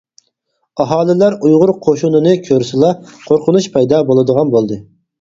ئاھالىلەر ئۇيغۇر قوشۇنىنى كۆرسىلا قورقۇنچ پەيدا بولىدىغان بولدى.